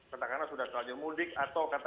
katakanlah sudah terlanjur mudik atau kata